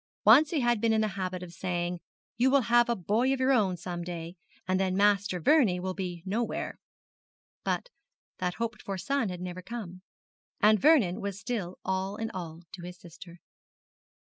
Once he had been in the habit of saying, 'You will have a boy of your own some day, and then Master Vernie will be nowhere;' but that hoped for son had never come, and Vernon was still all in all to his sister.